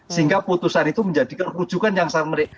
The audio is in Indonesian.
sehingga putusan itu menjadi kerujukan yang sangat menarik